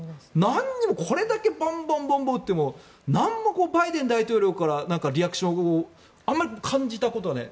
なんにもこれだけボンボン撃ってもなんもバイデン大統領からリアクションをあまり感じたことはない。